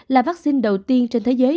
là vaccine đầu tiên trên thế giới